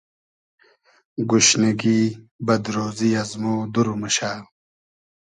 گوشنیگی ، بئد رۉزی از مۉ دور موشۂ